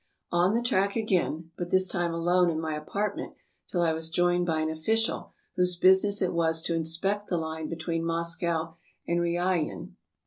On the track again, but this time alone in my apartment till I was joined by an official, whose business it was to in spect the line between Moscow and Riayan.